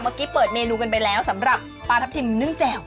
เปิดเมนูกันไปแล้วสำหรับปลาทับทิมนึ่งแจ่ว